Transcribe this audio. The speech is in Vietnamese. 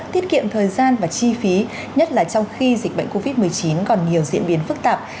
tiết kiệm thời gian và chi phí nhất là trong khi dịch bệnh covid một mươi chín còn nhiều diễn biến phức tạp